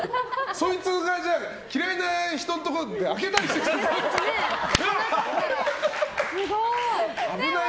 そいつが嫌いな人のところで開けたりしない？